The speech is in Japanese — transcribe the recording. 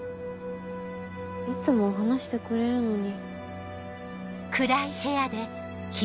いつもは話してくれるのに。